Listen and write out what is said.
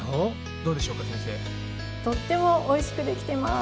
とってもおいしくできてます。